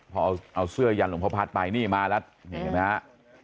พอเอาเสื้อยั่นหลวงพระพัฒน์ไปนี่มาแล้วเห็นไหมครับ